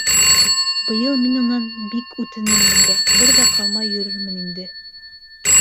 Быйыл мин унан бик үтенермен дә бер ҙә ҡалмай йөрөрмөн инде.